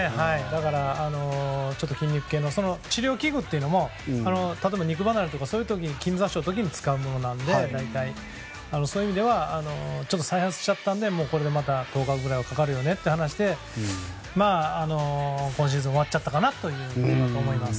だから筋肉系の治療器具っていうのも例えば肉離れとか筋挫傷の時に使うものなのでそういう意味では再発したので１０日ぐらいはかかるよねと話して今シーズン終わっちゃったかなと思います。